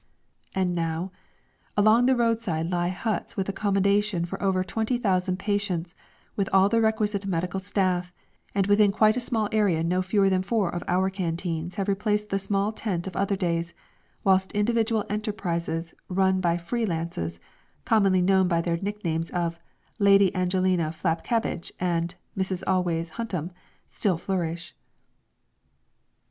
And now? Along the roadside lie huts with accommodation for over twenty thousand patients, with all the requisite medical staff, and within quite a small area no fewer than four of our canteens have replaced the small tent of other days, whilst individual enterprises run by free lances, commonly known by their nicknames of "Lady Angelina Flapcabbage" and "Mrs. Always Huntem," still flourish.